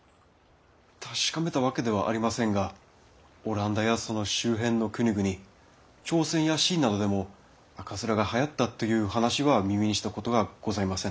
確かめたわけではありませんがオランダやその周辺の国々朝鮮や清などでも赤面がはやったという話は耳にしたことがございませぬ。